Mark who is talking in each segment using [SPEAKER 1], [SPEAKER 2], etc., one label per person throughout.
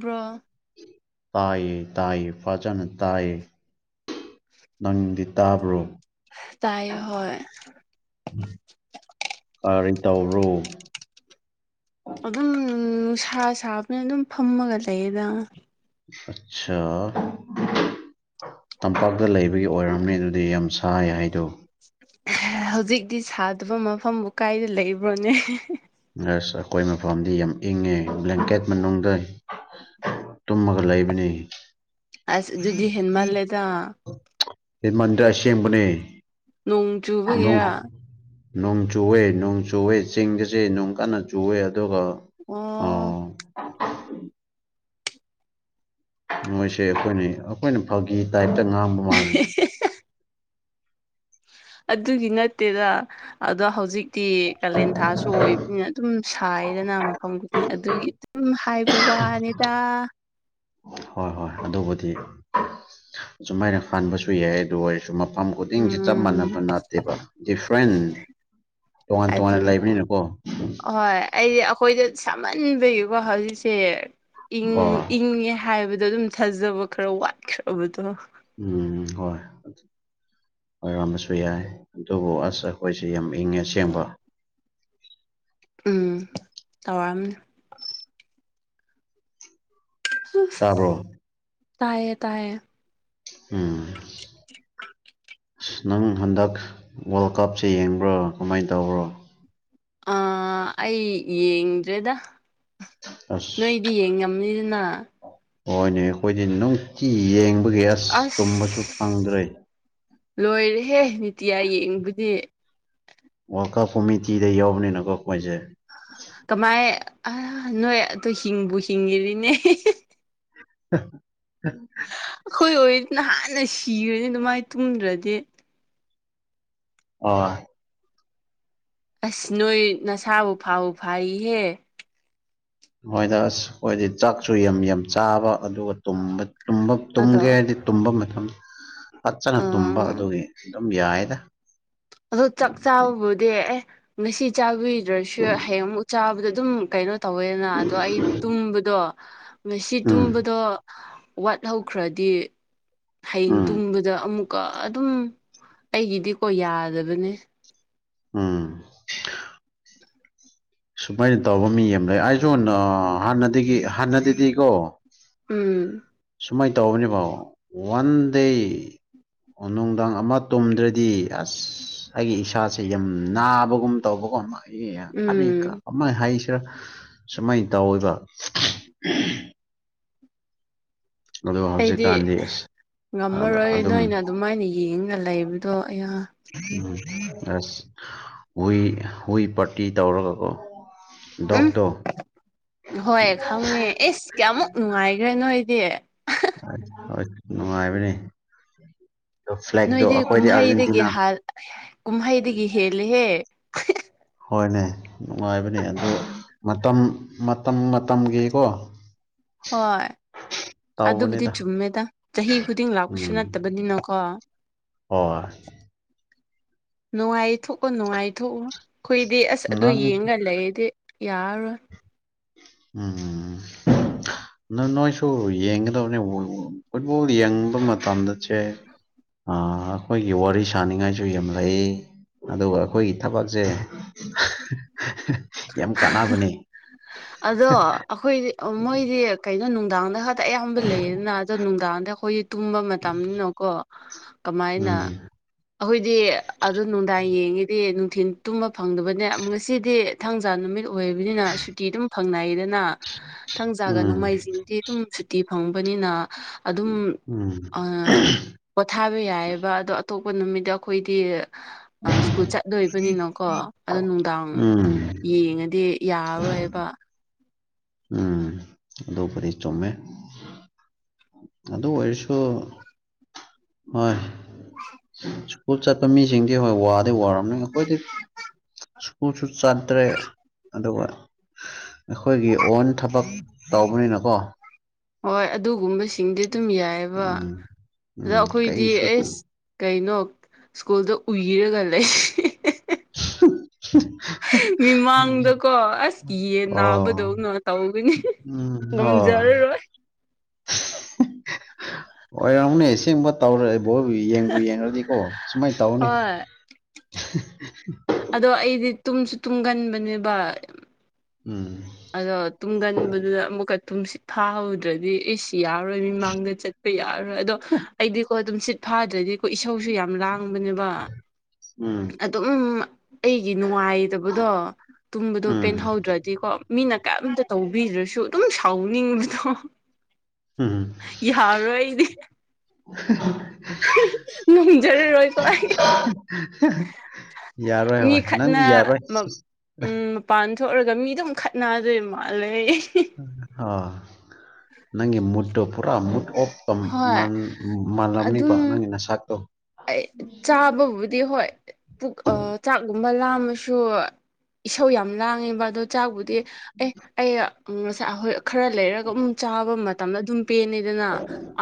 [SPEAKER 1] ꯕꯔꯣ
[SPEAKER 2] ꯇꯥꯏ ꯇꯥꯏ ꯐꯥꯖꯅ ꯇꯌꯦ ꯅꯪꯗꯤ ꯇꯥꯕ꯭ꯔꯣ
[SPEAKER 1] ꯇꯥꯏꯌꯦ ꯍꯣꯏ꯫
[SPEAKER 2] ꯀꯔꯤ ꯇꯧꯔꯣ
[SPEAKER 1] ꯑꯗꯨꯝ ꯅꯨꯡꯁꯥ ꯁꯥꯕꯅ ꯑꯗꯨꯝ ꯐꯝꯃꯒ ꯂꯩꯌꯦꯗ
[SPEAKER 2] ꯑꯠꯁꯥ ꯇꯝꯄꯥꯛꯇ ꯂꯩꯕꯒꯤ ꯑꯣꯏꯔꯝꯃꯦ ꯑꯗꯨꯗꯤ ꯌꯥꯝ ꯁꯥꯏ ꯍꯥꯏꯗꯣ
[SPEAKER 1] ꯍꯧꯖꯤꯛꯇꯤ ꯁꯥꯗꯕ ꯃꯐꯝꯕꯨ ꯀꯥꯏꯗ ꯂꯩꯕ꯭ꯔꯣꯅꯦ
[SPEAKER 2] ꯑꯁ ꯑꯩꯈꯣꯏ ꯃꯐꯝꯗꯤ ꯌꯥꯝ ꯏꯪꯉꯦ ꯕ꯭ꯂꯦꯡꯀꯦꯠ ꯃꯅꯨꯡꯗ ꯇꯨꯝꯃꯒ ꯂꯩꯕꯅꯤ
[SPEAKER 1] ꯑꯁ ꯑꯗꯨꯗꯤ ꯍꯦꯟꯃꯜꯂꯦꯗ
[SPEAKER 2] ꯏꯟꯃꯟꯗꯔ ꯑꯁꯦꯡꯕꯅꯦ
[SPEAKER 1] ꯅꯣꯡ
[SPEAKER 2] ꯅꯣꯡ
[SPEAKER 1] ꯆꯨꯕꯒꯤꯔꯥ
[SPEAKER 2] ꯅꯣꯡ ꯆꯨꯋꯦ ꯅꯣꯡ ꯆꯨꯋꯦ ꯆꯤꯡꯒꯤꯁꯦ ꯅꯣꯡ ꯀꯟꯅ ꯆꯨꯋꯦ ꯑꯗꯨꯒ
[SPEAKER 1] ꯑꯣ
[SPEAKER 2] ꯑꯥ ꯃꯣꯏꯁꯦ ꯑꯩꯈꯣꯏꯅ ꯑꯩꯈꯣꯏꯅ ꯐꯥꯒꯤ ꯇꯥꯏꯞꯇ ꯉꯥꯡꯕ ꯃꯥꯜꯂꯤ
[SPEAKER 1] ꯑꯗꯨꯒꯤ ꯅꯠꯇꯦꯗ ꯑꯗꯣ ꯍꯧꯖꯤꯛꯇꯤ ꯀꯥꯂꯦꯟ ꯊꯥꯁꯨ ꯑꯣꯏꯕꯅꯤꯅ ꯑꯗꯨꯝ ꯁꯥꯏꯗꯅ ꯃꯐꯝ ꯈꯨꯗꯤꯡ ꯑꯗꯨꯒꯤ ꯑꯗꯨꯝ ꯍꯥꯏꯕ ꯋꯥꯅꯤꯗ
[SPEAKER 2] ꯍꯣꯏ ꯍꯣꯏ ꯑꯗꯨꯕꯨꯗꯤ ꯆꯨꯃꯥꯏꯅ ꯍꯥꯟꯕꯁꯨ ꯌꯥꯏ ꯑꯗꯨ ꯑꯣꯏ ꯁꯨ ꯃꯐꯝ ꯈꯨꯗꯤꯡꯁꯦ ꯆꯞ ꯃꯥꯟꯅꯕ
[SPEAKER 1] ꯎꯝ
[SPEAKER 2] ꯅꯠꯇꯦꯕ ꯗꯤꯐ꯭ꯔꯦꯟ ꯇꯣꯉꯥꯟ ꯇꯣꯉꯥꯟꯅ
[SPEAKER 1] ꯑꯗꯨꯅꯦ
[SPEAKER 2] ꯂꯩꯕꯅꯤꯅꯀꯣ
[SPEAKER 1] ꯍꯣꯏ ꯑꯩꯗꯤ ꯑꯩꯈꯣꯏꯗ ꯁꯥꯃꯟꯕꯒꯤꯀꯣ ꯍꯧꯖꯤꯛꯁꯦ ꯏꯪ
[SPEAKER 2] ꯑꯣ
[SPEAKER 1] ꯏꯪꯉꯦ ꯍꯥꯏꯕꯗꯣ ꯑꯗꯨꯝ ꯊꯥꯖꯕ ꯈꯔ ꯋꯥꯠꯈ꯭ꯔꯕꯗꯣ
[SPEAKER 2] ꯎꯝ ꯍꯣꯏ ꯑꯣꯏꯔꯝꯕꯁꯨ ꯌꯥꯏ ꯑꯗꯨꯕꯨ ꯑꯁ ꯑꯩꯈꯣꯏꯁꯦ ꯌꯥꯝ ꯏꯪꯉꯦ ꯑꯁꯦꯡꯕ
[SPEAKER 1] ꯎꯝ ꯇꯧꯔꯑꯝꯅꯤ [unintelligible]
[SPEAKER 2] ꯇꯥꯕ꯭ꯔꯣ
[SPEAKER 1] ꯇꯥꯏꯌꯦ ꯇꯥꯏꯌꯦ
[SPEAKER 2] ꯎꯝ ꯑꯁ ꯅꯪ ꯍꯟꯗꯛ ꯋꯥꯔꯜ ꯀꯞꯁꯦ ꯌꯦꯡꯕ꯭ꯔꯣ ꯀꯃꯥꯏꯅ ꯇꯧꯕ꯭ꯔꯣ
[SPEAKER 1] ꯑ ꯑꯩ ꯌꯦꯡꯗ꯭ꯔꯦꯗ ꯅꯣꯏ
[SPEAKER 2] ꯑꯁ
[SPEAKER 1] ꯗꯤ ꯌꯦꯡꯉꯝꯅꯤꯗꯅ
[SPEAKER 2] ꯍꯣꯏꯅꯦ ꯑꯩꯈꯣꯏꯗꯤ ꯅꯨꯡꯇꯤ ꯌꯦꯡꯕꯒꯤ ꯑꯁ ꯇꯨꯝꯕꯁꯨ
[SPEAKER 1] ꯑꯁ
[SPEAKER 2] ꯐꯪꯗ꯭ꯔꯦ
[SPEAKER 1] ꯂꯣꯏꯔꯦꯍꯦ ꯅꯤꯇꯤꯌꯥ ꯌꯦꯡꯕꯗꯤ
[SPEAKER 2] ꯋꯥꯀꯞ ꯀꯣꯃꯤꯇꯤꯗ ꯌꯥꯎꯕꯅꯤꯅꯀꯣ ꯑꯩꯈꯣꯏꯁꯦ
[SPEAKER 1] ꯀꯃꯥꯏ ꯑ ꯅꯣꯏ ꯑꯗꯨ ꯍꯤꯡꯕꯨ ꯍꯤꯡꯉꯔꯤꯅꯦ [unintelligible]
[SPEAKER 2] [unintelligible]
[SPEAKER 1] ꯑꯩꯈꯣꯏ ꯑꯣꯏ ꯅꯍꯥꯟꯅ ꯁꯤꯔꯥꯅꯤ ꯑꯗꯨꯃꯥꯏ ꯇꯨꯝꯗ꯭ꯔꯗꯤ
[SPEAKER 2] ꯑꯣ
[SPEAKER 1] ꯑꯁ ꯅꯣꯏ ꯅꯁꯥꯕꯨ ꯐꯥꯎ ꯐꯥꯍꯦ
[SPEAKER 2] ꯃꯣꯏꯗ ꯑꯁ ꯑꯣꯏꯗꯤ ꯆꯥꯛꯁꯨ ꯌꯥꯝ ꯌꯥꯝ ꯆꯥꯕ ꯑꯗꯨꯒ ꯇꯨꯝꯕ ꯇꯨꯝꯕꯥ
[SPEAKER 1] ꯑꯗꯣ
[SPEAKER 2] ꯇꯨꯝꯒꯦ ꯍꯥꯏꯗꯤ ꯇꯨꯝꯕ ꯃꯇꯝ ꯐꯠꯆꯅ ꯇꯨꯝꯕ
[SPEAKER 1] ꯑ
[SPEAKER 2] ꯑꯗꯨꯒꯤ ꯑꯗꯨꯝ ꯌꯥꯏꯗ
[SPEAKER 1] ꯑꯗꯣ ꯆꯥꯛ ꯆꯥꯕꯕꯨꯗꯤ ꯑꯦ ꯉꯁꯤ ꯆꯥꯕꯤ [unintelligible] ꯁꯨ ꯍꯌꯦꯡ ꯑꯃꯨꯛ ꯆꯥꯕꯗ ꯑꯗꯨꯝ ꯀꯩꯅꯣ ꯇꯧꯋꯦꯅ ꯑꯗꯣ ꯑꯩ ꯇꯨꯝꯕꯗꯣ ꯉꯁꯤ
[SPEAKER 2] ꯎꯝ
[SPEAKER 1] ꯇꯨꯝꯕꯗꯣ ꯋꯥꯠꯍꯧꯈ꯭ꯔꯗꯤ ꯍꯌꯦꯡ
[SPEAKER 2] ꯎꯝ
[SPEAKER 1] ꯇꯨꯝꯕꯗ ꯑꯃꯨꯛ ꯀ ꯑꯗꯨꯝ ꯑꯩꯒꯤꯗꯤꯀꯣ ꯌꯥꯗꯕꯅꯦ
[SPEAKER 2] ꯎꯝ ꯁꯨꯃꯥꯏꯅ ꯇꯧꯕ ꯃꯤ ꯑꯃ ꯂꯩ ꯑꯩꯁꯨ ꯍꯥꯟꯅꯗꯒꯤ ꯍꯥꯟꯅꯗꯗꯤꯀꯣ
[SPEAKER 1] ꯎꯝ
[SPEAKER 2] ꯁꯨꯃꯥꯏꯅ ꯇꯧꯕꯅꯤꯕꯣ ꯋꯥꯟꯗꯦ ꯑꯣ ꯅꯨꯡꯗꯥꯡ ꯑꯃ ꯇꯨꯝꯗ꯭ꯔꯗꯤ ꯑꯁ ꯑꯩꯒꯤ ꯏꯁꯥꯁꯦ ꯌꯥꯝ ꯅꯥꯕꯒꯨꯝ ꯇꯧꯕꯒꯨꯝ ꯑꯃ
[SPEAKER 1] ꯎꯝ
[SPEAKER 2] [unintelligible] ꯑꯃ ꯍꯥꯏꯁꯤꯔꯥ ꯁꯨꯃꯥꯏꯅ ꯇꯧꯋꯕ ꯑꯗꯣ
[SPEAKER 1] ꯑꯩꯗꯤ
[SPEAKER 2] ꯍꯧꯖꯤꯛꯀꯥꯟꯗꯤ ꯑꯁ
[SPEAKER 1] ꯉꯝꯃꯔꯣꯏ
[SPEAKER 2] ꯑꯗꯨꯝ
[SPEAKER 1] ꯅꯣꯏꯅ ꯑꯗꯨꯃꯥꯏꯅ ꯌꯦꯡꯅ ꯂꯩꯕꯗꯣ ꯑꯌꯥ
[SPEAKER 2] ꯎꯝ ꯑꯁ ꯍꯨꯏ ꯍꯨꯏ ꯄꯥꯔꯇꯤ ꯇꯧꯔꯒꯀꯣ ꯗꯣꯛ
[SPEAKER 1] ꯎꯝ
[SPEAKER 2] ꯇꯣ
[SPEAKER 1] ꯍꯣꯏ ꯈꯪꯉꯦ ꯏꯁ ꯀꯌꯥꯃꯨꯛ ꯅꯨꯡꯉꯥꯏꯒ꯭ꯔꯦ ꯅꯣꯏꯗꯤ
[SPEAKER 2] ꯍꯣꯏ ꯅꯨꯡꯉꯥꯏꯕꯅꯤ ꯑ ꯐ꯭ꯂꯦꯗꯣ
[SPEAKER 1] ꯅꯣꯏꯗꯤ
[SPEAKER 2] ꯑꯩꯈꯣꯏꯗꯤ
[SPEAKER 1] ꯀꯨꯝꯍꯩꯗꯒꯤ
[SPEAKER 2] ꯑꯥꯔꯖꯦꯟꯇꯤꯅꯥ
[SPEAKER 1] ꯍꯥ ꯀꯨꯝꯍꯩꯗꯒꯤ ꯍꯦꯜꯂꯦꯍꯦ
[SPEAKER 2] ꯍꯣꯏꯅꯦ ꯅꯨꯡꯉꯥꯏꯕꯅꯦ ꯑꯗꯨ ꯃꯇꯝ ꯃꯇꯝ ꯃꯇꯝꯒꯤꯀꯣ
[SPEAKER 1] ꯍꯣꯏ ꯑꯗꯨꯕꯨꯗꯤ
[SPEAKER 2] ꯇꯧꯕꯅꯤꯗ
[SPEAKER 1] ꯆꯨꯝꯃꯦꯗ ꯆꯍꯤ ꯈꯨꯗꯤꯡ ꯂꯥꯛꯄꯁꯨ
[SPEAKER 2] ꯎꯝ
[SPEAKER 1] ꯅꯠꯇꯕꯅꯤꯅꯀꯣ
[SPEAKER 2] ꯍꯣꯏ
[SPEAKER 1] ꯅꯨꯡꯉꯥꯏꯊꯣꯛꯑꯣ ꯅꯨꯡꯉꯥꯏꯊꯣꯛꯑꯣ ꯑꯩꯈꯣꯏꯗꯤ ꯑꯁ ꯑꯗꯨ
[SPEAKER 2] ꯅꯪ
[SPEAKER 1] ꯌꯦꯡꯉ ꯂꯩꯗꯤ ꯌꯥꯔꯣꯏ
[SPEAKER 2] ꯎꯝ ꯅꯥ ꯅꯣꯏꯁꯨ ꯌꯦꯡꯒꯗꯕꯅꯦ ꯐꯨꯠꯕꯣꯜ ꯌꯦꯡꯕ ꯃꯇꯝꯗ ꯆꯦ ꯑꯥ ꯑꯩꯈꯣꯏꯒꯤ ꯋꯥꯔꯤ ꯁꯅꯤꯡꯉꯥꯏꯁꯨ ꯌꯥꯝ ꯂꯩ ꯑꯗꯨꯒ ꯑꯩꯈꯣꯏꯒꯤ ꯊꯕꯛꯁꯦ [unintelligible] ꯌꯥꯝ ꯀꯥꯟꯅꯕꯅꯤ
[SPEAKER 1] ꯑꯗꯣ ꯑꯩꯈꯣꯏ ꯃꯣꯏꯗꯤ ꯀꯩꯅꯣ ꯅꯨꯡꯗꯥꯡꯗ ꯈ ꯑꯌꯥꯝꯕ ꯂꯩꯌꯦꯅ ꯑꯗꯣ ꯅꯨꯡꯗꯥꯡꯗ ꯑꯩꯈꯣꯏꯒꯤ ꯇꯨꯝꯕ ꯃꯇꯝꯅꯤꯅꯀꯣ ꯀꯃꯥꯏꯅ
[SPEAKER 2] ꯎꯝ
[SPEAKER 1] ꯑꯩꯈꯣꯏꯗꯤ ꯑꯗꯨ ꯅꯨꯡꯗꯥꯡ ꯌꯦꯡꯉꯤꯗꯤ ꯅꯨꯡꯊꯤꯜ ꯇꯨꯝꯕ ꯐꯪꯗꯕꯅꯦ ꯉꯁꯤꯗꯤ ꯊꯥꯡꯖꯥ ꯅꯨꯃꯤꯠ ꯑꯣꯏꯕꯅꯤꯅ ꯁꯨꯇꯤ ꯑꯗꯨꯝ ꯐꯪꯅꯩꯌꯦꯗꯅ ꯊꯥꯡꯖꯥꯒ
[SPEAKER 2] ꯎꯝ
[SPEAKER 1] ꯅꯣꯡꯃꯥꯏꯖꯤꯡꯗꯤ ꯑꯗꯨꯝ ꯁꯨꯇꯤ ꯐꯪꯕꯅꯤꯅ ꯑꯗꯨꯝ
[SPEAKER 2] ꯎꯝ
[SPEAKER 1] ꯑꯥ ꯄꯣꯊꯥꯕ ꯌꯥꯏꯌꯦꯕ ꯑꯗꯣ ꯑꯇꯣꯞꯄ ꯅꯨꯃꯤꯠꯇ ꯑꯩꯈꯣꯏꯗꯤ ꯁ꯭ꯀꯨꯜ ꯆꯠꯇꯣꯏꯕꯅꯤꯅꯀꯣ ꯑꯗꯣ ꯅꯨꯡꯗꯥꯡ
[SPEAKER 2] ꯎꯝ
[SPEAKER 1] ꯌꯦꯡꯉꯗꯤ ꯌꯥꯔꯣꯏꯕ
[SPEAKER 2] ꯎꯝ ꯑꯗꯨꯕꯨꯗꯤ ꯆꯨꯝꯃꯦ ꯑꯗꯨ ꯑꯣꯏꯔꯁꯨ ꯍꯣꯏ ꯁ꯭ꯀꯨꯜ ꯆꯠꯄ ꯃꯤꯁꯤꯡꯗꯤ ꯍꯣꯏ ꯋꯥꯗꯤ ꯋꯥꯔꯝꯅꯤ ꯑꯩꯈꯣꯏꯗꯤ ꯁ꯭ꯀꯨꯜꯁꯨ ꯆꯠꯇ꯭ꯔꯦ ꯑꯗꯨꯒ ꯑꯩꯈꯣꯏꯒꯤ ꯑꯣꯟ ꯊꯕꯛ ꯇꯧꯕꯅꯤꯅꯀꯣ
[SPEAKER 1] ꯍꯣꯏ ꯑꯗꯨꯒꯨꯝꯕꯁꯤꯡꯗꯤ ꯑꯗꯨꯝ ꯌꯥꯏꯌꯦꯕ
[SPEAKER 2] ꯎꯝ
[SPEAKER 1] ꯑꯗꯨ
[SPEAKER 2] ꯎꯝ
[SPEAKER 1] ꯑꯩꯈꯣꯏꯗꯤ
[SPEAKER 2] ꯀꯩꯁꯨ
[SPEAKER 1] ꯏꯁ ꯀꯩꯅꯣ ꯁ꯭ꯀꯨꯜꯗ ꯑꯨꯏꯔꯒ ꯂꯩ
[SPEAKER 2] [unintelligible]
[SPEAKER 1] ꯃꯤꯃꯥꯡꯗꯀꯣ ꯑꯁ ꯌꯦꯟ ꯅꯥꯕꯗꯧꯅ ꯇꯧꯒꯅꯤ
[SPEAKER 2] ꯑꯨꯝ ꯍꯣ
[SPEAKER 1] ꯉꯝꯖꯔꯔꯣꯏ
[SPEAKER 2] ꯑꯣꯏꯔꯝꯒꯅꯤ ꯑꯁꯦꯡꯕꯥ ꯇꯧꯔꯦ ꯕꯣꯜ ꯌꯦꯡꯕꯨ ꯌꯦꯡꯉꯨꯔꯗꯤꯀꯣ ꯁꯨꯃꯥꯏꯅ ꯇꯧꯅꯤ
[SPEAKER 1] ꯍꯣꯏ
[SPEAKER 2] [unintelligible]
[SPEAKER 1] ꯑꯗꯣ ꯑꯩꯗꯤ ꯇꯨꯝꯁꯨ ꯇꯨꯝꯒꯟꯕꯅꯦꯕ
[SPEAKER 2] ꯑꯨꯝ
[SPEAKER 1] ꯑꯗꯣ ꯇꯨꯝꯒꯟꯕꯗꯨꯗ ꯑꯃꯨꯛꯀ ꯇꯨꯝꯁꯤꯠ ꯐꯥꯍꯧꯗ꯭ꯔꯗꯤ ꯏꯁ ꯌꯥꯔꯣꯏ ꯃꯤꯃꯥꯡꯗ ꯆꯠꯄ ꯌꯥꯔꯔꯣꯏ ꯑꯗꯣ ꯑꯩꯗꯤꯀꯣ ꯇꯨꯝꯁꯤꯠ ꯐꯥꯗ꯭ꯔꯗꯤꯀꯣ ꯏꯁꯧꯁꯨ ꯌꯥꯝ ꯂꯥꯡ ꯕꯅꯦꯕ
[SPEAKER 2] ꯎꯝ
[SPEAKER 1] ꯑꯗꯨꯝ ꯑꯩꯒꯤ ꯅꯨꯡꯉꯥꯏꯇꯕꯗꯣ ꯇꯨꯝꯕꯗꯣ
[SPEAKER 2] ꯎꯝ
[SPEAKER 1] ꯄꯦꯟꯍꯧꯗ꯭ꯔꯗꯤꯀꯣ ꯃꯤꯅ ꯀꯩꯑꯝꯇꯥ ꯇꯧꯕꯤꯗ꯭ꯔꯁꯨ ꯑꯗꯨꯝ ꯁꯥꯎꯅꯤꯡꯕꯗꯣ
[SPEAKER 2] ꯎꯝ
[SPEAKER 1] ꯌꯥꯔꯣꯏ ꯑꯩꯗꯤ
[SPEAKER 2] [unintelligible]
[SPEAKER 1] ꯉꯝꯖꯔꯔꯣꯏ ꯀꯣ ꯑꯩ
[SPEAKER 2] ꯌꯥꯔꯣꯏ
[SPEAKER 1] ꯃꯤ
[SPEAKER 2] ꯍꯣꯏ ꯅꯪꯗꯤ ꯌꯥꯔꯣꯏ
[SPEAKER 1] ꯄꯥꯟ ꯊꯣꯛꯑꯨꯔꯒꯥ ꯃꯤꯗꯨꯝ ꯈꯠꯅꯗꯣꯏ ꯃꯥꯜꯂꯦꯍꯦ
[SPEAKER 2] ꯑꯣ ꯅꯪꯒꯤ ꯃꯨꯠꯇꯣ ꯄꯨꯔꯥ ꯃꯨꯠ ꯑꯣꯞ
[SPEAKER 1] ꯍꯣꯏ
[SPEAKER 2] ꯃꯥꯟ ꯃꯥꯜꯂꯝꯅꯤꯕ
[SPEAKER 1] ꯑꯗꯨꯝ
[SPEAKER 2] ꯅꯪꯒꯤ ꯅꯁꯛꯇꯣ
[SPEAKER 1] ꯑꯩ ꯆꯥꯕꯕꯨꯗꯤ ꯍꯣꯏ ꯄꯨꯛ ꯑꯥ ꯆꯥꯛꯒꯨꯝꯕ ꯂꯥꯝꯃꯁꯨ ꯏꯁꯧ ꯌꯥꯝ ꯂꯥꯡꯉꯦꯕ ꯑꯗꯣ ꯆꯥꯛꯕꯨꯗꯤ ꯑꯦ ꯑꯩ ꯉꯁꯥꯏ ꯍꯣꯏ ꯈꯔ ꯂꯩꯔꯒ ꯑꯗꯨꯝ ꯆꯥꯕ ꯃꯇꯝꯗ ꯑꯗꯨꯝ ꯄꯦꯟꯅꯤ ꯗꯅ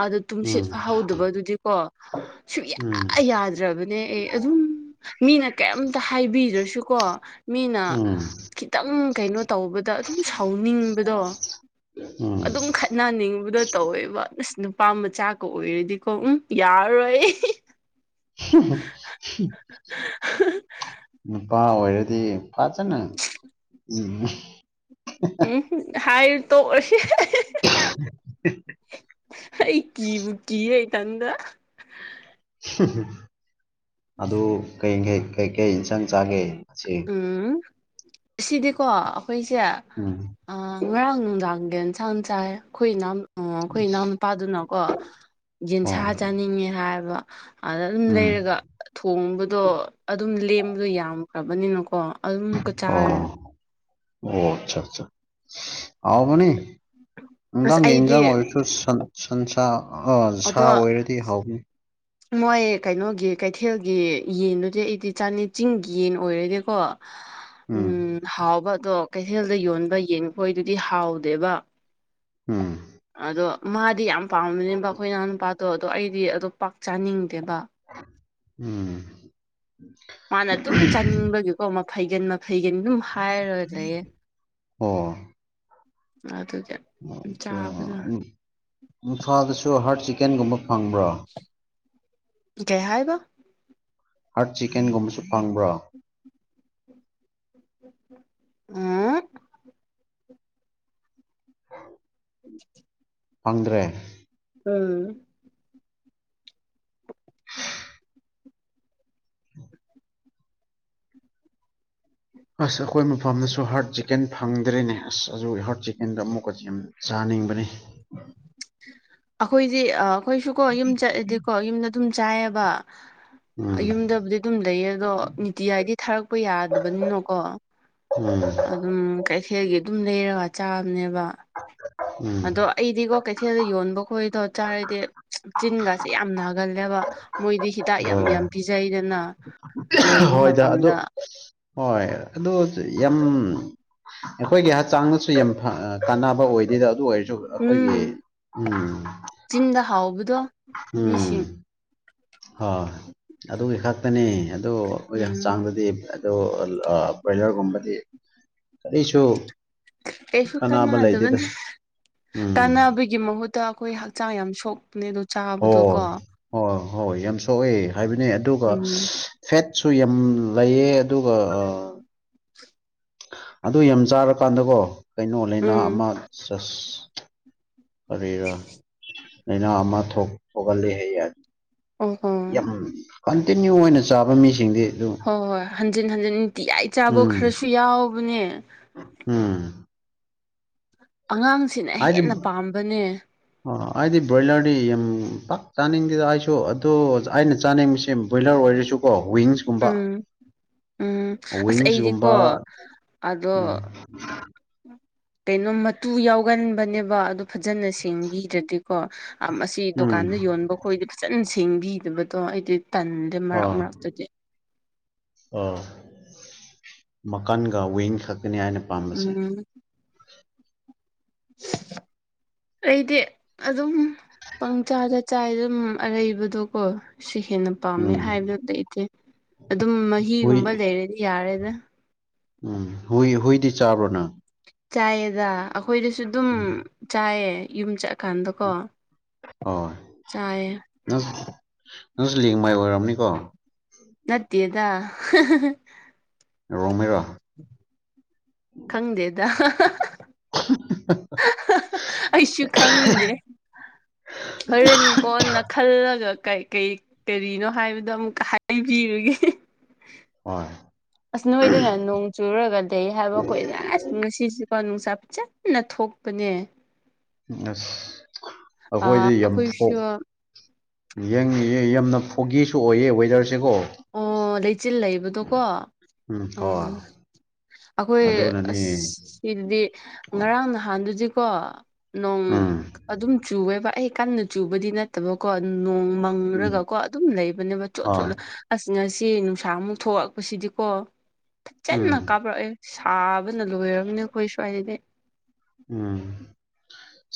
[SPEAKER 1] ꯑꯗꯨ ꯇꯨꯝꯁꯤꯠ
[SPEAKER 2] ꯎꯝ
[SPEAKER 1] ꯐꯍꯧꯗꯕꯗꯨꯗꯤꯀꯣ ꯁꯨꯛꯌꯥ
[SPEAKER 2] ꯎꯝ
[SPEAKER 1] ꯌꯥꯗ꯭ꯔꯕꯅꯦ ꯑꯩ ꯑꯗꯨꯝ ꯃꯤꯅ ꯀꯩꯝꯇ ꯍꯥꯏꯕꯤꯗ꯭ꯔꯁꯨ ꯀꯣ ꯃꯤꯅ
[SPEAKER 2] ꯎꯝ
[SPEAKER 1] ꯈꯤꯇꯪ ꯀꯩꯅꯣ ꯇꯧꯕꯗ ꯑꯗꯨꯝ ꯁꯥꯎꯅꯤꯡꯕꯗꯣ
[SPEAKER 2] ꯑꯨꯝ
[SPEAKER 1] ꯑꯗꯨꯝ ꯈꯠꯅꯅꯤꯡꯕꯗꯣ ꯇꯧꯋꯦꯕ ꯑꯁ ꯅꯨꯄꯥ ꯃꯆꯥꯀꯥ ꯑꯣꯏꯔꯗꯤꯀꯣ ꯑꯨꯝ ꯌꯥꯔꯔꯣꯏ ꯑꯩ
[SPEAKER 2] [unintelligible] ꯅꯨꯄꯥ ꯑꯣꯏꯔꯗꯤ [unintelligible] ꯐꯖꯅꯥ [unintelligible]
[SPEAKER 1] ꯑꯨꯡꯍꯨꯝ ꯍꯥꯏ ꯇꯣꯛꯑꯁꯤ [unintelligible]
[SPEAKER 2] [unintelligible]
[SPEAKER 1] ꯑꯩ ꯀꯤꯕꯨ ꯀꯤꯔꯦ ꯏꯊꯟꯗ
[SPEAKER 2] [unintelligible] ꯑꯗꯨ ꯀꯩꯀꯩ ꯀꯩꯀꯩ ꯏꯟꯁꯥꯡ ꯆꯥꯒꯦ ꯉꯁꯤ
[SPEAKER 1] ꯑꯨꯝ ꯉꯁꯤꯗꯤꯀꯣ ꯑꯩꯈꯣꯏꯁꯦ
[SPEAKER 2] ꯎꯝ
[SPEAKER 1] ꯑꯥ ꯉꯔꯥꯡ ꯅꯨꯡꯗꯥꯡ ꯌꯦꯟ ꯌꯦꯟꯁꯥꯡ ꯆꯥꯏꯌꯦ ꯑꯩꯈꯣꯏ ꯏꯅꯥꯎ ꯑꯨꯡ ꯑꯩꯈꯣꯏ ꯏꯅꯥꯎ ꯅꯨꯨꯄꯥꯗꯨꯅꯀꯣ ꯌꯦꯟꯁꯥ
[SPEAKER 2] ꯑꯣ
[SPEAKER 1] ꯆꯥꯅꯤꯡꯉꯦ ꯍꯥꯏꯕ ꯑꯗ ꯑꯗꯨꯝ
[SPEAKER 2] ꯎꯝ
[SPEAKER 1] ꯂꯩꯔꯒ ꯊꯣꯡꯕꯗꯣ ꯑꯗꯨꯝ ꯂꯦꯝꯕꯗꯣ ꯌꯥꯝꯈ꯭ꯔꯕꯅꯤꯅꯀꯣ ꯑꯗꯨꯝꯀ
[SPEAKER 2] ꯑꯣ
[SPEAKER 1] ꯆꯥꯔꯦ
[SPEAKER 2] ꯑꯣ ꯑꯆꯥ ꯆꯥ ꯍꯥꯎꯕꯅꯤ
[SPEAKER 1] ꯑꯁ
[SPEAKER 2] ꯅꯨꯝꯗꯥꯡ
[SPEAKER 1] ꯑꯩꯗꯤ
[SPEAKER 2] ꯏꯟꯖꯥꯡ ꯑꯣꯏꯔꯁꯨ ꯁꯟ ꯁꯟꯁꯥ ꯑꯣ ꯁꯥ
[SPEAKER 1] ꯑꯗꯣ
[SPEAKER 2] ꯑꯣꯏꯔꯗꯤ ꯍꯥꯎꯕꯅꯤ
[SPEAKER 1] ꯃꯣꯏ ꯀꯩꯅꯣꯒꯤ ꯀꯩꯊꯦꯜꯒꯤ ꯌꯦꯟꯗꯨꯗꯤ ꯑꯩꯗꯤ ꯆꯥꯅꯤ ꯆꯤꯡꯒꯤ ꯌꯦꯟ ꯑꯣꯏꯔꯗꯤꯀꯣ ꯎꯝ ꯍꯥꯎꯕꯗꯣ ꯀꯩꯊꯦꯜꯗ ꯌꯣꯟꯕ ꯌꯦꯟꯈꯣꯏꯗꯨꯗꯤ ꯍꯥꯎꯗꯦꯕ
[SPEAKER 2] ꯎꯝ
[SPEAKER 1] ꯑꯗꯣ ꯃꯥꯗꯤ ꯌꯥꯝ ꯄꯥꯝꯅꯅꯦꯕ ꯑꯩꯈꯣꯏ ꯏꯅꯥꯎ ꯅꯨꯄꯥꯗꯣ ꯑꯗꯣ ꯑꯩꯗꯤ ꯑꯗꯣ ꯄꯥꯛ ꯆꯥꯅꯤꯡꯗꯦꯕ
[SPEAKER 2] ꯎꯝ
[SPEAKER 1] ꯃꯥꯅ ꯑꯗꯨꯝ ꯆꯥꯅꯤꯡꯕꯒꯤꯀꯣ ꯃꯐꯩꯒꯟ ꯃꯐꯩꯒꯟ ꯑꯗꯨꯝ ꯍꯥꯏꯔ ꯂꯩꯌꯦ
[SPEAKER 2] ꯑꯣ
[SPEAKER 1] ꯑꯗꯨꯗ
[SPEAKER 2] ꯏꯝꯐꯥꯜꯗꯁꯨ ꯍꯥꯔꯠ ꯆꯤꯛꯀꯟꯒꯨꯝꯕ ꯐꯪꯕ꯭ꯔꯣ
[SPEAKER 1] ꯀꯩ ꯍꯥꯏꯕ
[SPEAKER 2] ꯍꯥ꯭ꯔꯠ ꯆꯤꯀꯟꯒꯨꯝꯕꯁꯨ ꯐꯪꯕ꯭ꯔꯣ
[SPEAKER 1] ꯑꯝ [inaudible]
[SPEAKER 2] ꯐꯪꯗ꯭ꯔꯦ
[SPEAKER 1] ꯎꯝ
[SPEAKER 2] ꯑꯁ ꯑꯩꯈꯣꯏ ꯃꯐꯝꯗꯁꯨ ꯍꯥ꯭ꯔꯠ ꯆꯤꯛꯀꯟ ꯐꯪꯗ꯭ꯔ‌ꯦꯅꯦ ꯑꯁ ꯑꯗꯨꯒꯤ ꯍꯥ꯭ꯔꯠ ꯆꯤꯛꯀꯦꯟꯗꯣ ꯑꯃꯨꯛꯀꯗꯤ ꯌꯥꯝ ꯆꯥꯅꯤꯡꯕꯅꯤ
[SPEAKER 1] ꯑꯩꯈꯣꯏꯗꯤ ꯑꯩꯈꯣꯏꯁꯨ ꯀꯣ ꯌꯨꯝ ꯆꯠꯂꯗꯤꯀꯣ ꯌꯨꯝꯗ ꯑꯗꯨꯝ ꯆꯥꯏꯌꯦꯕ
[SPEAKER 2] ꯎꯝ
[SPEAKER 1] ꯌꯨꯝꯗꯕꯨꯗꯤ ꯑꯗꯨꯝ ꯂꯩꯌꯦ ꯑꯗꯣ ꯅꯤꯇꯤ ꯍꯥꯏꯗꯤ ꯊꯥꯔꯛꯄ ꯌꯥꯗꯕꯅꯤꯅꯀꯣ
[SPEAKER 2] ꯎꯝ
[SPEAKER 1] ꯗꯨꯝ ꯀꯩꯊꯦꯜꯒꯤ ꯑꯗꯨꯝ ꯂꯩꯔꯒ ꯆꯥꯕꯅꯦꯕ ꯑꯗꯣ ꯑꯩꯗꯤꯀꯣ ꯀꯩꯊꯦꯜꯗ ꯌꯣꯟꯕ ꯈꯣꯏꯗꯣ ꯆꯥꯔꯗꯤ ꯆꯤꯟꯒꯁꯤꯦ ꯌꯥꯝ ꯒꯜꯂꯦꯕ ꯃꯣꯏꯗꯤ ꯍꯤꯗꯥꯛ
[SPEAKER 2] ꯎꯝ
[SPEAKER 1] ꯌꯥꯝ
[SPEAKER 2] ꯑꯣ
[SPEAKER 1] ꯌꯥꯝ ꯄꯤꯖꯩꯗꯅ ꯂꯣꯏꯕ
[SPEAKER 2] ꯍꯣꯏꯗ ꯑꯗꯨ
[SPEAKER 1] ꯃꯇꯝꯗ
[SPEAKER 2] ꯍꯣꯏ ꯑꯗꯨ ꯌꯥꯝ ꯑꯩꯈꯣꯏꯒꯤ ꯍꯛꯆꯥꯡꯗꯁꯨ ꯌꯥꯝ ꯀꯥꯟꯅꯕ ꯑꯣꯏꯗ‌ꯦꯗ ꯑꯗꯨ ꯑꯣꯏꯔ ꯑꯩꯈꯣꯏꯒꯤ
[SPEAKER 1] ꯎꯝ
[SPEAKER 2] ꯎꯝ
[SPEAKER 1] ꯆꯤꯟꯗ ꯍꯥꯎꯕꯗꯣ
[SPEAKER 2] ꯎꯝ
[SPEAKER 1] ꯃꯤꯁꯤꯡ
[SPEAKER 2] ꯍꯣꯏ ꯑꯗꯨꯒꯤ ꯈꯛ ꯈꯛꯇꯅꯤ ꯑꯗꯣ ꯑꯩꯈꯣꯏꯒꯤ
[SPEAKER 1] ꯎꯝ
[SPEAKER 2] ꯍꯛꯆꯥꯡꯗꯗꯤ ꯐꯠ ꯗ‌ꯣ ꯕ꯭ꯔꯣꯏꯂ꯭ꯔꯒꯨꯝꯕꯗꯤ ꯀꯔꯤꯁꯨ
[SPEAKER 1] ꯀꯩꯁꯨ
[SPEAKER 2] ꯀꯥꯟꯅꯕ ꯂꯩꯇꯦꯗ
[SPEAKER 1] ꯀꯥꯟꯅꯗꯕꯅꯦ
[SPEAKER 2] ꯎꯝ
[SPEAKER 1] ꯀꯥꯟꯅꯕꯩ ꯒꯤ ꯃꯍꯨꯠꯇ ꯑꯩꯈꯣꯏ ꯍꯛꯆꯥꯡ ꯌꯥꯝ ꯁꯣꯛꯄꯅꯦ ꯑꯗꯣ ꯆꯥꯕꯗꯣ ꯀꯣ
[SPEAKER 2] ꯍꯣꯏ ꯍꯣꯏ ꯍꯣꯏ ꯌꯥꯝ ꯁꯣꯛꯑꯦ ꯍꯥꯏꯕꯅꯦ ꯑꯗꯨꯒ
[SPEAKER 1] ꯎꯝ
[SPEAKER 2] ꯐꯦꯠꯁꯨ ꯌꯥꯝ ꯂꯩꯌꯦ ꯑꯗꯨꯒ ꯑꯥ ꯑꯗꯨ ꯌꯥꯝ ꯆꯥꯔꯀꯥꯟꯗꯀꯣ ꯀꯩꯅꯣ ꯂꯩꯥꯅꯥ
[SPEAKER 1] ꯎꯝ
[SPEAKER 2] ꯑꯃ ꯆ ꯀꯔꯤꯔ ꯂꯥꯏꯅꯥ ꯑꯃ ꯊꯣꯛ ꯊꯣꯛꯍꯜꯂꯤ ꯍꯩꯌ‌ꯦ
[SPEAKER 1] ꯑꯣ ꯍꯣ
[SPEAKER 2] ꯌꯥꯝ ꯀꯟꯇꯤꯅ꯭ꯌꯨ ꯑꯣꯏꯅ ꯆꯥꯕ ꯃꯤꯁꯤꯡꯗꯤ ꯑꯗꯨ
[SPEAKER 1] ꯍꯣꯏ ꯍꯣꯏ ꯍꯟꯖꯤꯟ ꯍꯟꯖꯤꯟ ꯅꯨꯡꯇꯤꯌꯥꯏ ꯆꯥꯕ
[SPEAKER 2] ꯎꯝ
[SPEAKER 1] ꯈꯔꯁꯨ ꯌꯥꯎꯕꯅꯦ
[SPEAKER 2] ꯎꯝ
[SPEAKER 1] ꯑꯉꯥꯡꯁꯤꯅ ꯍꯦꯟꯅ ꯄꯥꯝꯕꯅꯦ
[SPEAKER 2] ꯑꯣ ꯑꯩꯗꯤ ꯕ꯭ꯔꯣꯏꯂ꯭ꯔꯗꯤ ꯌꯥꯝ ꯄꯥꯛ ꯆꯥꯅꯤꯡꯗꯦꯗ ꯑꯩꯁꯨ ꯑꯗꯣ ꯑꯩꯅ ꯆꯥꯅꯤꯡꯕꯁꯤ ꯕ꯭ꯔ‌ꯣꯏꯂ꯭ꯔ ꯑꯣꯏꯔꯁꯨꯀꯣ ꯋꯤꯡꯁꯀꯨꯝꯕ
[SPEAKER 1] ꯎꯝ ꯎꯝ ꯑꯁ ꯑꯩꯗꯤꯀꯣ
[SPEAKER 2] ꯋꯤꯡꯁꯀꯨꯝꯕ
[SPEAKER 1] ꯑꯗꯣ
[SPEAKER 2] ꯎꯝ
[SPEAKER 1] ꯀꯩꯅꯣ ꯃꯇꯨ ꯌꯥꯎꯒꯟꯕꯅꯦꯕ ꯑꯗꯨ ꯐꯖꯅ ꯁꯦꯡꯕꯤꯗ꯭ꯔꯗꯤꯀꯣ ꯑꯁꯤ
[SPEAKER 2] ꯎꯝ
[SPEAKER 1] ꯗꯨꯀꯥꯟꯗ ꯌꯣꯟꯕ ꯈꯣꯏꯗꯤ ꯐꯆꯟ ꯁꯦꯡꯕꯤꯗꯕꯗꯣ ꯑꯩꯗꯤ ꯇꯟꯗꯦ ꯃꯔꯛ ꯃꯔꯛꯇꯗꯤ
[SPEAKER 2] ꯑ ꯃꯀꯟꯒ ꯋꯤꯡ ꯈꯛꯀꯅꯤ ꯑꯩꯅ ꯄꯥꯝꯕꯁꯦ
[SPEAKER 1] ꯎꯝ ꯑꯩꯗꯤ ꯑꯗꯨꯝ ꯄꯪꯆꯥꯥꯗ ꯆꯥꯏ ꯑꯗꯨꯝ ꯑꯔꯩꯕꯗꯣꯀꯣ ꯁꯤ ꯍꯦꯟꯅ ꯄꯥꯝꯃꯦ
[SPEAKER 2] ꯎꯝ
[SPEAKER 1] ꯍꯥꯏꯕꯗꯨ ꯂꯩꯇꯦ ꯑꯗꯨꯝ
[SPEAKER 2] ꯍꯨꯏ
[SPEAKER 1] ꯃꯍꯤꯒꯨꯝꯕ ꯂꯩꯔꯗꯤ ꯌꯥꯔꯦꯗ
[SPEAKER 2] ꯎꯝ ꯍꯨꯏ ꯍꯨꯏꯗꯤ ꯆꯥꯕ꯭ꯔꯣꯅ‌ꯪ
[SPEAKER 1] ꯆꯥꯏꯌꯦꯗ ꯑꯩꯈꯣꯏꯗꯁꯨ ꯑꯗꯨꯝ
[SPEAKER 2] ꯎꯝ
[SPEAKER 1] ꯆꯥꯏꯌꯦ ꯌꯨꯝ ꯆꯠ
[SPEAKER 2] ꯍꯣꯏ
[SPEAKER 1] ꯆꯥꯏꯌꯦ
[SPEAKER 2] ꯅꯪ ꯅꯪꯁꯨ ꯂꯦꯡ ꯃꯥꯏ ꯑꯣꯏꯔꯝꯅꯤꯀꯣ
[SPEAKER 1] ꯅꯠꯇꯦꯗ [unintelligible]
[SPEAKER 2] ꯔꯣꯡꯃꯩꯔꯣ
[SPEAKER 1] [inaudible] ꯈꯪꯗꯦꯗ [unintelligible]
[SPEAKER 2] [unintelligible]
[SPEAKER 1] [unintelligible] ꯑꯩꯁꯨ ꯈꯪꯗꯦ ꯍꯣꯔꯦꯟ ꯀꯣꯟꯅ ꯈꯜꯂꯒ ꯀꯩ ꯀꯩ ꯀꯔꯤꯅꯣ ꯍꯥꯏꯕꯗꯣ ꯑꯃꯨꯛꯀ ꯍꯥꯏꯕꯤꯔꯒꯦ
[SPEAKER 2] ꯍꯣꯏ
[SPEAKER 1] ꯑꯁ ꯅꯣꯏꯗꯅ ꯅꯣꯡ ꯆꯨꯔꯒ ꯂꯩ ꯍꯥꯏꯕ ꯑꯩꯈꯣꯏꯅ ꯑꯁ ꯉꯁꯤꯁꯤꯀꯣ ꯅꯨꯡꯁꯥ ꯐꯖꯅ ꯅ ꯊꯣꯛꯄꯅꯦ
[SPEAKER 2] ꯑꯁ
[SPEAKER 1] ꯑ
[SPEAKER 2] ꯑꯩꯈꯣꯏꯗꯤ ꯌꯥꯝ ꯊꯣꯛ
[SPEAKER 1] ꯑꯩꯈꯣꯏꯁꯨ
[SPEAKER 2] ꯌꯦꯡ ꯌꯥꯝꯅ ꯐꯣꯒꯤꯁꯨ ꯑꯣꯏꯌꯦ ꯋꯦꯗꯔꯁꯦꯀꯣ
[SPEAKER 1] ꯑꯣ ꯂꯩꯆꯤꯜ ꯂꯩꯕ ꯂꯩꯕꯗꯣꯀꯣ ꯎꯝ ꯑꯩꯈꯣꯏ
[SPEAKER 2] ꯑꯗꯨꯅꯅꯦ
[SPEAKER 1] ꯑꯁ ꯁꯤꯗꯗꯤ ꯉꯔꯥꯡ ꯅꯍꯥꯟꯗꯨꯗꯤꯀꯣ ꯅꯣꯡ
[SPEAKER 2] ꯎꯝ
[SPEAKER 1] ꯑꯗꯨꯝ ꯆꯨꯋꯦꯕ ꯑꯩ ꯀꯟꯅ ꯆꯨꯕꯗꯤ ꯅꯠꯇꯕꯀꯣ ꯅꯣꯡ
[SPEAKER 2] ꯎꯝ
[SPEAKER 1] [unintelligible] ꯀꯣ ꯑꯗꯨꯝ ꯂꯩꯕꯅꯦꯕ ꯆꯣꯠ
[SPEAKER 2] ꯑꯥ
[SPEAKER 1] ꯆꯣꯠꯂ ꯑꯁ ꯉꯁꯤ ꯅꯨꯡꯁꯥꯃꯨꯛ ꯊꯣꯛꯑꯛꯄꯁꯤꯗꯤꯀꯣ
[SPEAKER 2] ꯎꯝ
[SPEAKER 1] ꯐꯖꯅ ꯀꯥꯞꯔꯛꯑꯦ ꯁꯥꯕꯅ ꯂꯣꯏꯔꯕꯅꯤ ꯑꯩꯈꯣꯏ ꯁ꯭ꯋꯥꯏꯗꯗꯤ
[SPEAKER 2] ꯎꯝ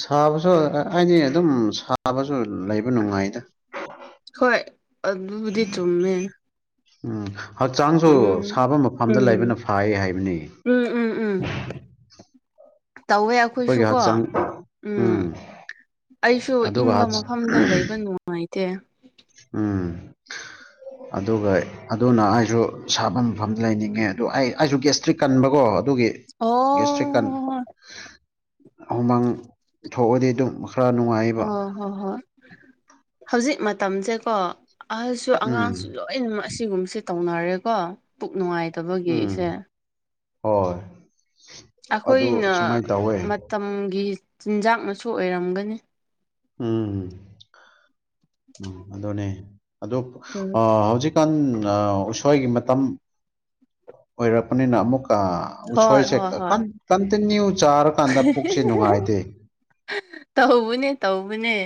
[SPEAKER 2] ꯁꯥꯕꯁꯨ ꯍꯥꯏꯗꯤ ꯑꯗꯨꯝ ꯁꯥꯕꯁꯨ ꯂꯩꯕ ꯅꯨꯡꯉꯥꯏꯗ
[SPEAKER 1] ꯍꯣꯏ ꯑꯗꯨꯕꯨꯗꯤ ꯆꯨꯝꯃꯦ
[SPEAKER 2] ꯎꯝ ꯍꯛꯆꯥꯡꯁꯨ
[SPEAKER 1] ꯎꯝ
[SPEAKER 2] ꯁꯥꯕ ꯃꯐꯝꯗ
[SPEAKER 1] ꯎꯝ
[SPEAKER 2] ꯂꯩꯕꯅ ꯐꯥꯏ ꯍꯥꯏꯕꯅꯤ
[SPEAKER 1] ꯎꯝ ꯎꯝ ꯎꯝ ꯇꯧꯋꯦ
[SPEAKER 2] ꯑꯩꯈꯣꯏꯒꯤ
[SPEAKER 1] ꯑꯩꯈꯣꯏꯁꯨꯀꯣ
[SPEAKER 2] ꯍꯛꯆꯥꯡ
[SPEAKER 1] ꯎꯝ ꯑꯩꯁꯨ
[SPEAKER 2] ꯑꯗꯨꯒ
[SPEAKER 1] ꯏꯪꯕ
[SPEAKER 2] ꯍꯥꯠ
[SPEAKER 1] ꯃꯐꯝꯗ ꯂꯩꯕ ꯅꯨꯡꯉꯥꯏꯇꯦ
[SPEAKER 2] ꯎꯝ ꯑꯗꯨꯒ ꯑꯗꯨꯅ ꯑꯩꯁꯨ ꯁꯥꯕ ꯃꯐꯝꯗ ꯂꯩꯅꯤꯡꯉꯦ ꯑꯗꯨ ꯑꯩ ꯑꯩꯁꯨ ꯒꯦꯁꯇ꯭ꯔꯤꯛ ꯀꯟꯕꯀꯣ ꯑꯗꯨꯒꯤ ꯒꯦꯁꯇ꯭ꯔꯤꯛ ꯀꯟ
[SPEAKER 1] ꯑꯣ
[SPEAKER 2] ꯍꯨꯃꯥꯡ ꯊꯣꯛꯑꯗꯤ ꯑꯗꯨꯝ ꯈꯔ ꯅꯨꯡꯉꯥꯏꯌꯦꯕ
[SPEAKER 1] ꯍꯣꯏ ꯍꯣꯏ ꯍꯣꯏ ꯍꯧꯖꯤꯛ ꯃꯇꯝꯁꯦꯀꯣ ꯑꯍꯜꯁꯨ
[SPEAKER 2] ꯎꯝ
[SPEAKER 1] ꯑꯉꯥꯡꯁꯨ ꯂꯣꯏ ꯂꯣꯏꯃꯛ ꯑꯁꯤꯒꯨꯝꯕꯁꯦ ꯇꯧꯅꯔꯦꯀꯣ ꯄꯨꯛ
[SPEAKER 2] ꯎꯝ
[SPEAKER 1] ꯅꯨꯡꯉꯥꯏꯇꯕꯒꯤꯁꯦ
[SPEAKER 2] ꯍꯣꯏ ꯑꯗꯨ
[SPEAKER 1] ꯑꯩꯈꯣꯏꯅ
[SPEAKER 2] ꯁꯨꯃꯥꯏꯅ ꯇꯧꯋꯦ
[SPEAKER 1] ꯃꯇꯝꯒꯤ ꯆꯤꯟꯖꯥꯛꯅꯁꯨ ꯑꯣꯏꯔꯝꯒꯅꯤ
[SPEAKER 2] ꯎꯝ ꯎꯝ ꯑꯗꯨꯅꯦ ꯑꯗꯨ
[SPEAKER 1] ꯎꯝ
[SPEAKER 2] ꯑ ꯍꯧꯖꯤꯛ [unintelligible] ꯎꯁꯣꯏꯒꯤ ꯃꯇꯝ ꯑꯣꯏꯔꯛꯄꯅꯤꯅ ꯑꯃꯨꯛꯀ
[SPEAKER 1] ꯍꯣꯏ
[SPEAKER 2] ꯎꯁꯣꯏꯁꯦ
[SPEAKER 1] ꯍꯣꯏ ꯍꯣꯏ
[SPEAKER 2] ꯀꯟ ꯀꯟꯇꯤꯅ꯭ꯌꯨ ꯆꯥꯔꯀꯥꯟꯗ ꯄꯨꯛꯁꯦ ꯅꯨꯡꯉꯥꯏꯇꯦ
[SPEAKER 1] ꯇꯧꯕꯅꯦ ꯇꯧꯕꯅꯦ